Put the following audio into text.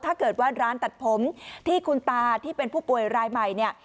ถ้าเกิดว่าร้านตัดผมที่คุณตาที่เป็นผู้ป่วยรายใหม่เนี่ย